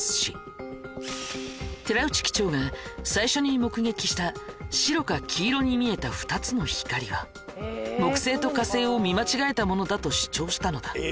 寺内機長が最初に目撃した白か黄色に見えた２つの光は木星と火星を見間違えたものだと主張したのだ。